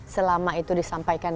selama itu disampaikan